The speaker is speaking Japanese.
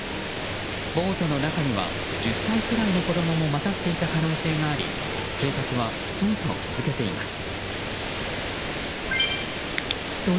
暴徒の中には１０歳くらいの子供も混ざっていた可能性があり警察は捜査を続けています。